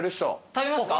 食べますか？